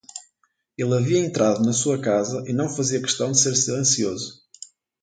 Ele havia entrado na sua casa e não fazia questão de ser silencioso.